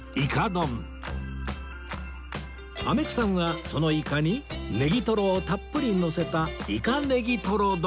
あめくさんはそのイカにネギトロをたっぷりのせたイカ・ネギトロ丼